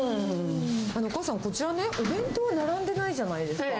お母さん、こちらね、お弁当が並んでないじゃないですか。